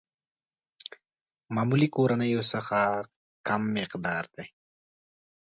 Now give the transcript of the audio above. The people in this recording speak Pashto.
معمولي کورنيو څخه کم مقدار دي.